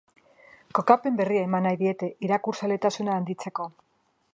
Kokapen berria eman nahi diete irakurzaletasuna handitzeko.